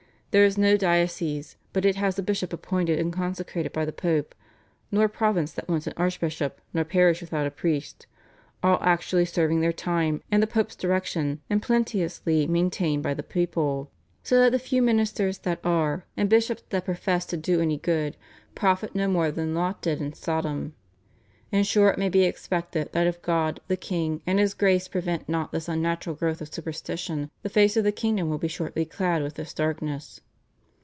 There is no diocese but it has a bishop appointed and consecrated by the Pope, nor province that wants an archbishop, nor parish without a priest, all actually serving their time and the Pope's direction and plenteously maintained by the people, so that the few ministers that are, and bishops that profess to do any good, profit no more than Lot did in Sodom. And sure it may be expected that if God, the king, and his Grace prevent not this unnatural growth of superstition, the face of the kingdom will be shortly clad with this darkness."